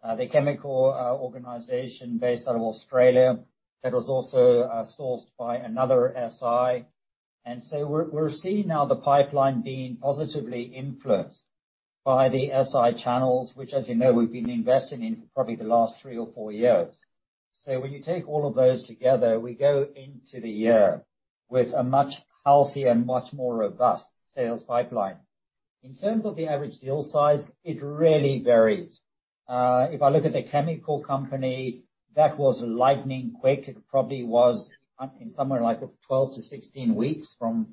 Speaker 3: The chemical organization based out of Australia that was also sourced by another SI. We're seeing now the pipeline being positively influenced by the SI channels, which, as you know, we've been investing in for probably the last three or four years. When you take all of those together, we go into the year with a much healthier and much more robust sales pipeline. In terms of the average deal size, it really varies. If I look at the chemical company, that was lightning quick. It probably was I think somewhere like 12-16 weeks from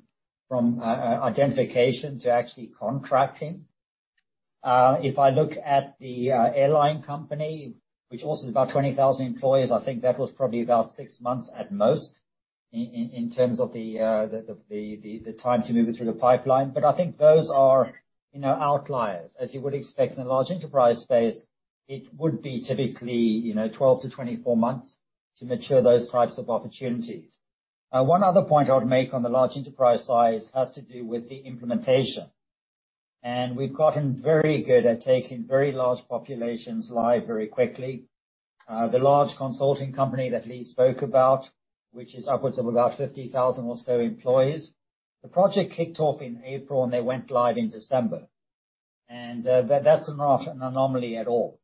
Speaker 3: identification to actually contracting. If I look at the airline company, which also is about 20,000 employees, I think that was probably about six months at most in terms of the time to move it through the pipeline. I think those are, you know, outliers. As you would expect in a large enterprise space, it would be typically, you know, 12-24 months to mature those types of opportunities. One other point I would make on the large enterprise size has to do with the implementation. We've gotten very good at taking very large populations live very quickly. The large consulting company that Leagh spoke about, which is upwards of about 50,000 or so employees, the project kicked off in April, and they went live in December. That's not an anomaly at all.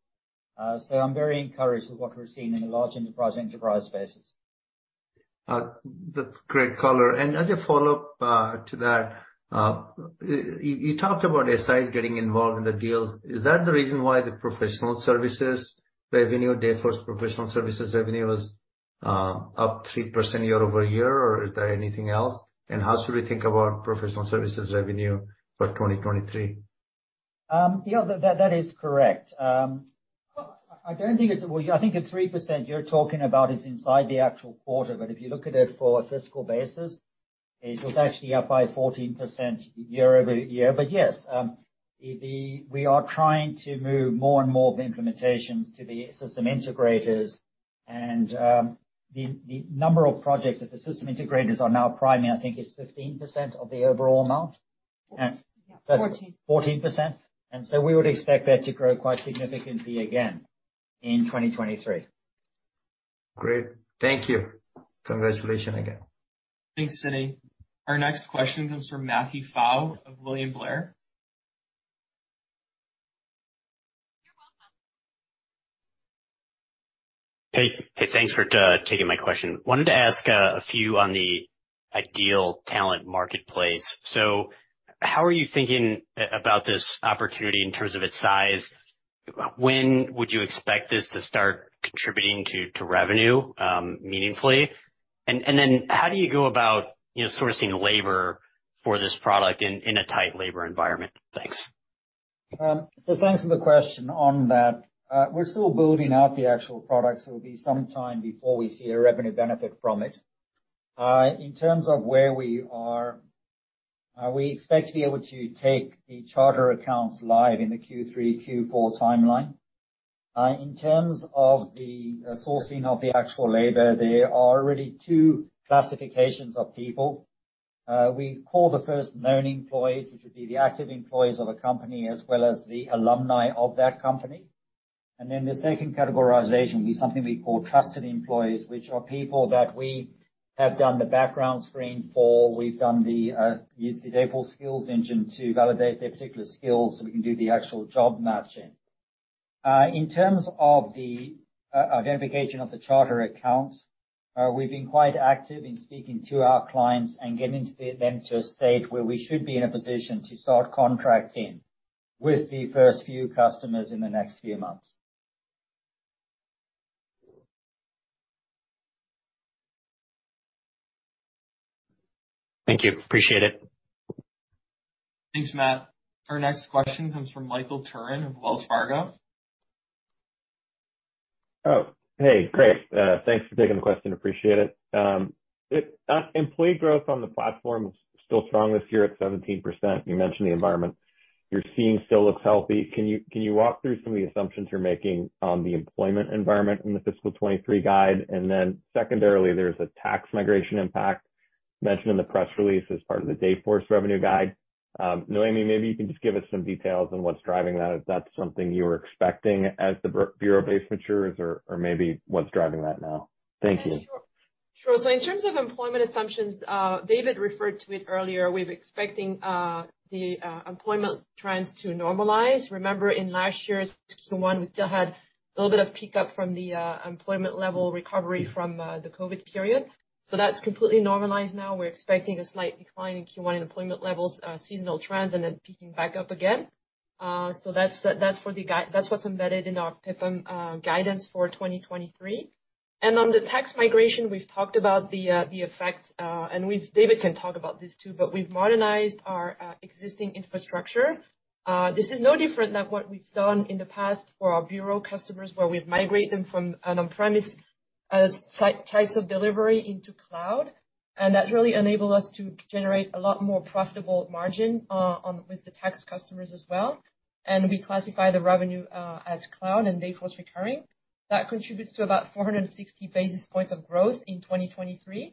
Speaker 3: I'm very encouraged with what we're seeing in the large enterprise spaces.
Speaker 11: That's great color. As a follow-up to that, you talked about SIs getting involved in the deals. Is that the reason why the professional services revenue, Dayforce professional services revenue was up 3% year-over-year, or is there anything else? How should we think about professional services revenue for 2023?
Speaker 3: Yeah, that is correct. Well, yeah, I think the 3% you're talking about is inside the actual quarter, but if you look at it for a fiscal basis, it was actually up by 14% year-over-year. Yes, we are trying to move more and more of the implementations to the system integrators and the number of projects that the system integrators are now priming, I think it's 15% of the overall amount.
Speaker 4: 14.
Speaker 3: 14%. We would expect that to grow quite significantly again in 2023.
Speaker 11: Great. Thank you. Congratulations again.
Speaker 1: Thanks, Siti. Our next question comes from Matthew Pfau of William Blair. You're welcome.
Speaker 12: Hey. Hey, thanks for taking my question. Wanted to ask a few on the Ideal Talent Marketplace. How are you thinking about this opportunity in terms of its size? When would you expect this to start contributing to revenue, meaningfully? Then how do you go about, you know, sourcing labor for this product in a tight labor environment? Thanks.
Speaker 3: Thanks for the question on that. We're still building out the actual product, so it'll be some time before we see a revenue benefit from it. In terms of where we are, we expect to be able to take the charter accounts live in the Q3, Q4 timeline. In terms of the sourcing of the actual labor, there are really two classifications of people. We call the first known employees, which would be the active employees of a company, as well as the alumni of that company. The second categorization will be something we call trusted employees, which are people that we have done the background screen for. We've done the used the Dayforce Skills Engine to validate their particular skills so we can do the actual job matching. In terms of the identification of the charter accounts, we've been quite active in speaking to our clients and getting them to a state where we should be in a position to start contracting with the first few customers in the next few months.
Speaker 12: Thank you. Appreciate it.
Speaker 1: Thanks, Matt. Our next question comes from Michael Turrin of Wells Fargo.
Speaker 13: Hey. Great. Thanks for taking the question. Appreciate it. Employee growth on the platform is still strong this year at 17%. You mentioned the environment you're seeing still looks healthy. Can you walk through some of the assumptions you're making on the employment environment in the fiscal 2023 guide? Secondarily, there's a tax migration impact mentioned in the press release as part of the Dayforce revenue guide. Noémie, maybe you can just give us some details on what's driving that. Is that something you were expecting as the Bureau base matures or maybe what's driving that now? Thank you.
Speaker 5: Yeah, sure. Sure. In terms of employment assumptions, David referred to it earlier. We're expecting the employment trends to normalize. Remember, in last year's Q1, we still had a little bit of pickup from the employment level recovery from the COVID period. That's completely normalized now. We're expecting a slight decline in Q1 employment levels, seasonal trends, and then peaking back up again. That's, that's for the that's what's embedded in our tip guidance for 2023. On the tax migration, we've talked about the effect, and David can talk about this too, but we've modernized our existing infrastructure. This is no different than what we've done in the past for our bureau customers, where we've migrate them from an on-premise, site-types of delivery into cloud. That's really enabled us to generate a lot more profitable margin, on, with the tax customers as well. We classify the revenue, as cloud and Dayforce recurring. That contributes to about 460 basis points of growth in 2023.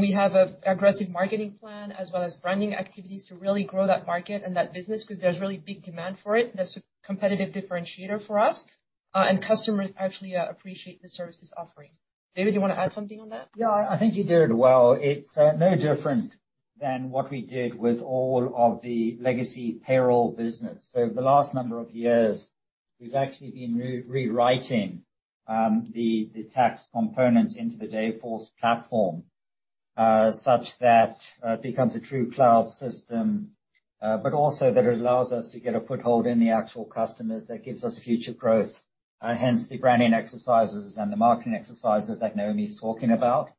Speaker 5: We have a aggressive marketing plan as well as branding activities to really grow that market and that business because there's really big demand for it. That's a competitive differentiator for us. customers actually, appreciate the services offering. David, you wanna add something on that?
Speaker 3: I think you did well. It's no different than what we did with all of the legacy payroll business. The last number of years, we've actually been rewriting the tax components into the Dayforce platform such that it becomes a true cloud system, but also that it allows us to get a foothold in the actual customers that gives us future growth. Hence the branding exercises and the marketing exercises that Noémie's talking about.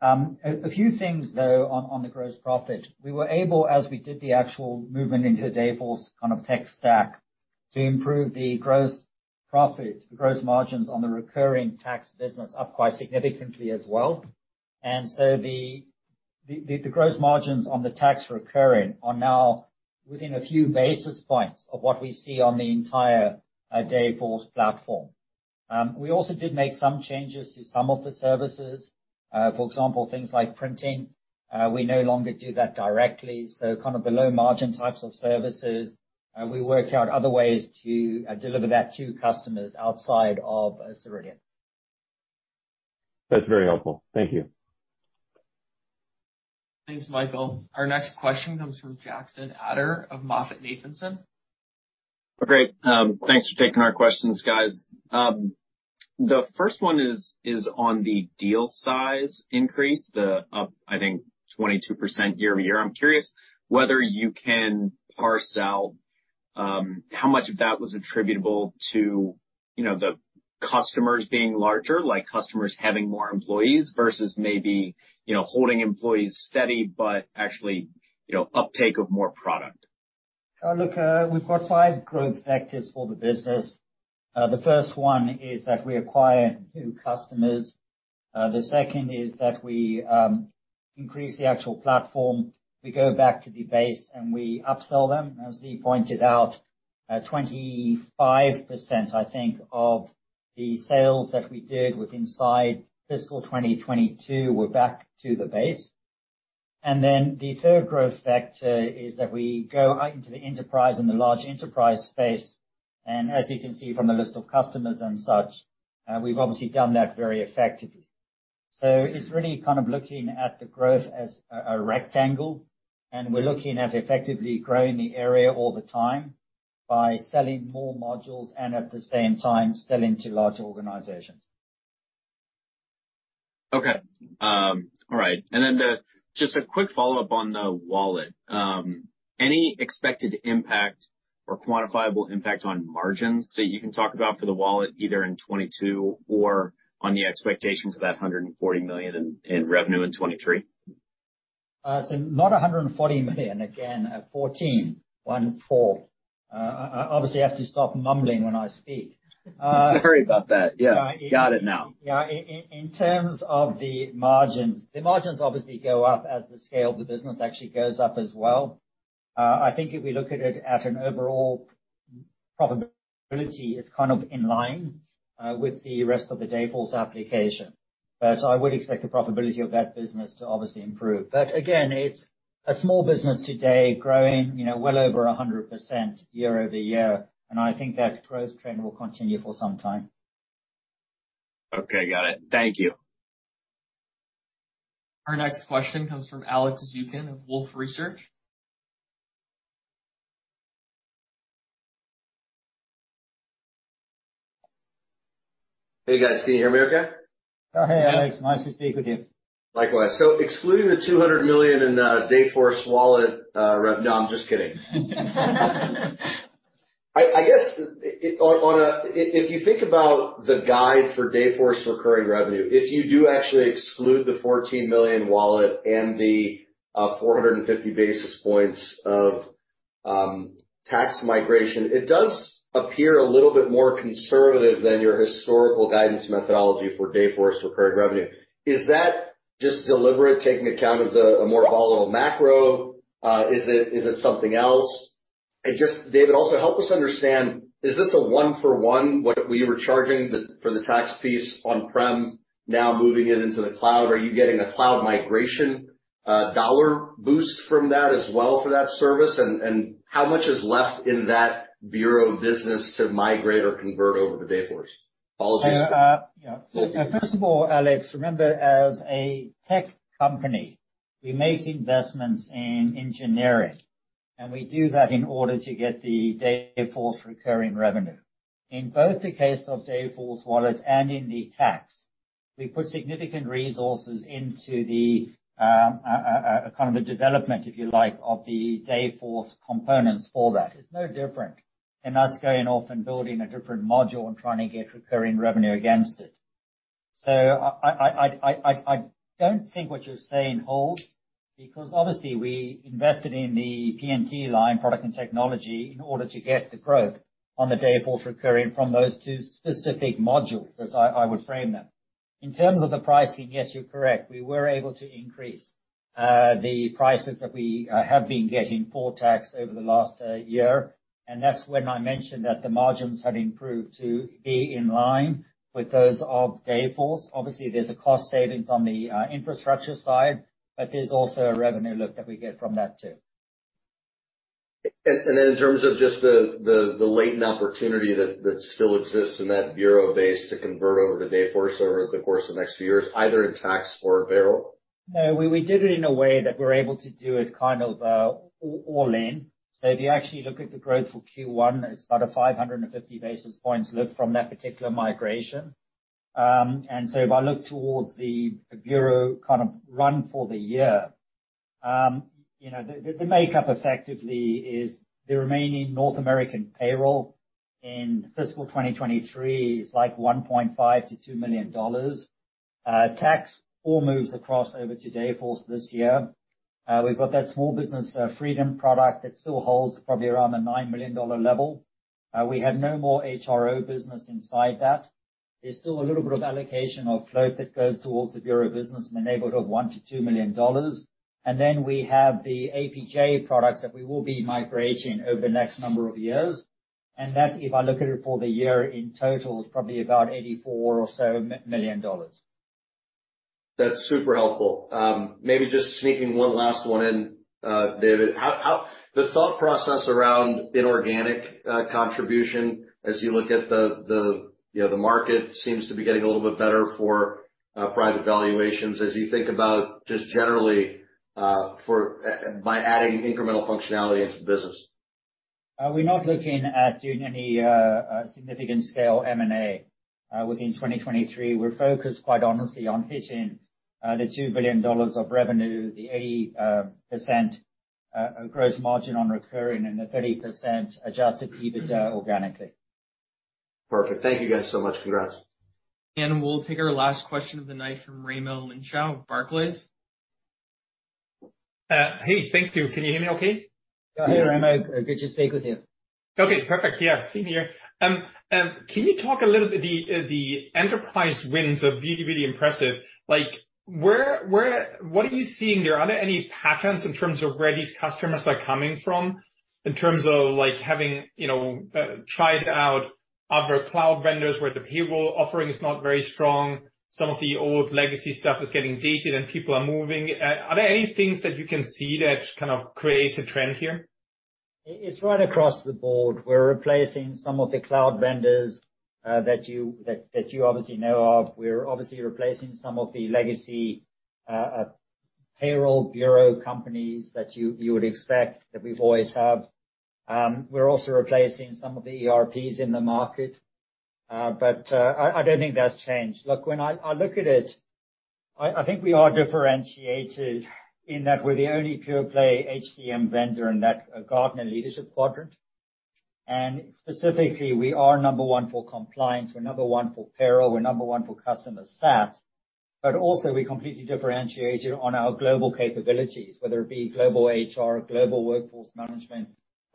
Speaker 3: A few things, though, on the gross profit. We were able, as we did the actual movement into Dayforce kind of tech stack, to improve the gross profit, the gross margins on the recurring tax business up quite significantly as well. The gross margins on the tax recurring are now within a few basis points of what we see on the entire Dayforce platform. We also did make some changes to some of the services. For example, things like printing, we no longer do that directly. Kind of the low margin types of services, we worked out other ways to deliver that to customers outside of Ceridian.
Speaker 13: That's very helpful. Thank you.
Speaker 1: Thanks, Michael. Our next question comes from Jackson Ader of MoffettNathanson.
Speaker 14: Great. Thanks for taking our questions, guys. The first one is on the deal size increase, the up, I think, 22% year-over-year. I'm curious whether you can parcel how much of that was attributable to, you know, the customers being larger, like customers having more employees versus maybe, you know, holding employees steady, but actually, you know, uptake of more product.
Speaker 3: Look, we've got five growth factors for the business. The first one is that we acquire new customers. The second is that we increase the actual platform. We go back to the base, and we upsell them. As Leagh pointed out, 25%, I think, of the sales that we did with inside fiscal 2022 were back to the base. The third growth factor is that we go out into the enterprise and the large enterprise space. As you can see from the list of customers and such, we've obviously done that very effectively. It's really kind of looking at the growth as a rectangle, and we're looking at effectively growing the area all the time by selling more modules and at the same time selling to large organizations.
Speaker 14: Okay. All right. Just a quick follow-up on the Wallet. Any expected impact or quantifiable impact on margins that you can talk about for the Wallet, either in 2022 or on the expectations of that $140 million in revenue in 2023?
Speaker 3: Not $140 million, again, 14. One four. I obviously have to stop mumbling when I speak.
Speaker 14: Sorry about that. Yeah. Got it now.
Speaker 3: Yeah. In terms of the margins, the margins obviously go up as the scale of the business actually goes up as well. I think if we look at it at an overall profitability, it's kind of in line with the rest of the Dayforce application. I would expect the profitability of that business to obviously improve. Again, it's a small business today growing, you know, well over 100% year-over-year, and I think that growth trend will continue for some time.
Speaker 14: Okay, got it. Thank you.
Speaker 1: Our next question comes from Alex Zukin of Wolfe Research.
Speaker 15: Hey, guys. Can you hear me okay?
Speaker 3: Oh, hey, Alex. Nice to speak with you.
Speaker 15: Likewise. Excluding the $200 million in Dayforce Wallet. No, I'm just kidding. If you think about the guide for Dayforce recurring revenue, if you do actually exclude the $14 million Wallet and the 450 basis points of tax migration, it does appear a little bit more conservative than your historical guidance methodology for Dayforce recurring revenue. Is that just deliberate taking account of the, a more volatile macro? Is it, is it something else? Just, David, also help us understand, is this a one for one, what we were charging the, for the tax piece on-prem now moving it into the cloud? Are you getting a cloud migration dollar boost from that as well for that service? How much is left in that bureau business to migrate or convert over to Dayforce?
Speaker 3: Yeah. Yeah. First of all, Alex, remember as a tech company, we make investments in engineering, and we do that in order to get the Dayforce recurring revenue. In both the case of Dayforce Wallets and in the tax, we put significant resources into the kind of the development, if you like, of the Dayforce components for that. It's no different in us going off and building a different module and trying to get recurring revenue against it. I don't think what you're saying holds because obviously we invested in the PNT line product and technology in order to get the growth on the Dayforce recurring from those two specific modules, as I would frame them. In terms of the pricing, yes, you're correct. We were able to increase the prices that we have been getting for tax over the last year. That's when I mentioned that the margins had improved to be in line with those of Dayforce. Obviously, there's a cost savings on the infrastructure side, but there's also a revenue lift that we get from that too.
Speaker 15: Then in terms of just the latent opportunity that still exists in that bureau base to convert over to Dayforce over the course of the next few years, either in tax or payroll.
Speaker 3: No, we did it in a way that we're able to do it kind of all in. If you actually look at the growth for Q1, it's about a 550 basis points lift from that particular migration. If I look towards the bureau kind of run for the year, you know, the makeup effectively is the remaining North American payroll in fiscal 2023 is like $1.5 million-$2 million. Tax all moves across over to Dayforce this year. We've got that small business PowerPay product that still holds probably around the $9 million level. We have no more HRO business inside that. There's still a little bit of allocation of float that goes towards the bureau business in the neighborhood of $1 million-$2 million. Then we have the APJ products that we will be migrating over the next number of years. That, if I look at it for the year in total, is probably about $84 million.
Speaker 15: That's super helpful. Maybe just sneaking one last one in, David. The thought process around inorganic contribution as you look at the, you know, the market seems to be getting a little bit better for private valuations as you think about just generally for by adding incremental functionality into the business?
Speaker 3: We're not looking at doing any significant scale M&A within 2023. We're focused, quite honestly, on hitting the $2 billion of revenue, the 80% gross margin on recurring and the 30% adjusted EBITDA organically.
Speaker 15: Perfect. Thank you guys so much. Congrats.
Speaker 1: We'll take our last question of the night from Raimo Lenschow with Barclays.
Speaker 16: Hey, thank you. Can you hear me okay?
Speaker 3: Hi, Raimo. Good to speak with you.
Speaker 16: Okay, perfect. Yeah. Same here. Can you talk a little bit the enterprise wins are really, really impressive. Like, where, what are you seeing there? Are there any patterns in terms of where these customers are coming from in terms of, like, having, you know, tried out other cloud vendors where the payroll offering is not very strong, some of the old legacy stuff is getting dated and people are moving. Are there any things that you can see that kind of creates a trend here?
Speaker 3: It's right across the board. We're replacing some of the cloud vendors that you obviously know of. We're obviously replacing some of the legacy payroll bureau companies that you would expect that we've always have. We're also replacing some of the ERPs in the market. But I don't think that's changed. Look, when I look at it, I think we are differentiated in that we're the only pure play HCM vendor in that Gartner leadership quadrant. Specifically, we are number one for compliance, we're number one for payroll, we're number one for customer sat. Also, we completely differentiated on our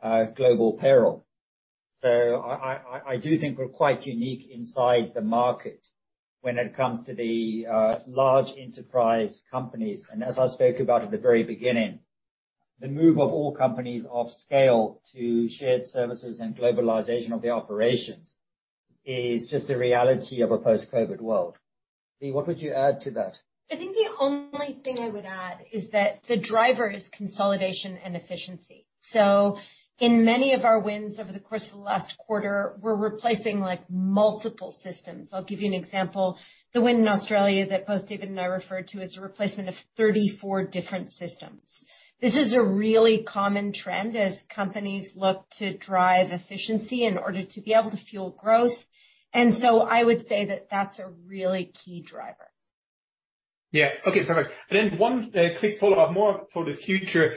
Speaker 3: global capabilities, whether it be global HR, global workforce management, global payroll. I do think we're quite unique inside the market when it comes to the large enterprise companies. As I spoke about at the very beginning, the move of all companies of scale to shared services and globalization of the operations is just the reality of a post-COVID world. Leagh, what would you add to that?
Speaker 4: I think the only thing I would add is that the driver is consolidation and efficiency. In many of our wins over the course of the last quarter, we're replacing, like, multiple systems. I'll give you an example. The win in Australia that both David and I referred to is a replacement of 34 different systems. This is a really common trend as companies look to drive efficiency in order to be able to fuel growth. I would say that that's a really key driver.
Speaker 16: Yeah. Okay, perfect. One quick follow-up, more for the future,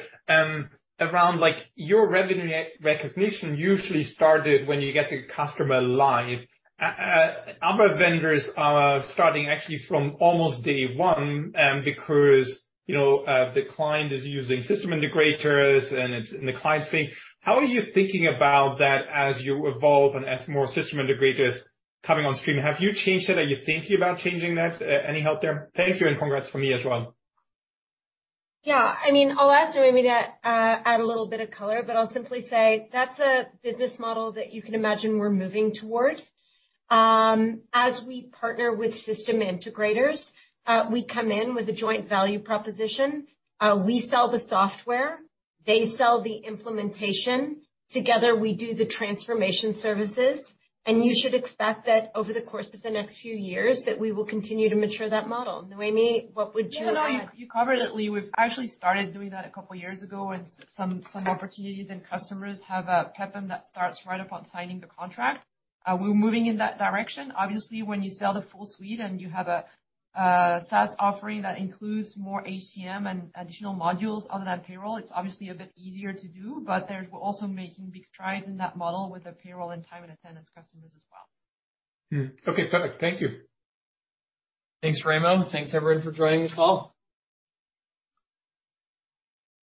Speaker 16: around, like, your revenue recognition usually started when you get the customer live. Other vendors are starting actually from almost day one, because, you know, the client is using system integrators and it's in the client sphere. How are you thinking about that as you evolve and as more system integrators coming on stream? Have you changed it? Are you thinking about changing that? Any help there? Thank you, and congrats from me as well.
Speaker 4: Yeah. I mean, I'll ask Noémie to add a little bit of color, but I'll simply say that's a business model that you can imagine we're moving towards. As we partner with system integrators, we come in with a joint value proposition. We sell the software, they sell the implementation. Together, we do the transformation services, and you should expect that over the course of the next few years, that we will continue to mature that model. Noémi, what would you add?
Speaker 5: No, you covered it, Leagh. We've actually started doing that a couple years ago with some opportunities. Customers have a PEPM in that starts right upon signing the contract. We're moving in that direction. Obviously, when you sell the full suite and you have a SaaS offering that includes more HCM and additional modules other than payroll, it's obviously a bit easier to do. They're also making big strides in that model with the payroll and time and attendance customers as well.
Speaker 16: Hmm. Okay, perfect. Thank you.
Speaker 1: Thanks, Raimo. Thanks everyone for joining the call.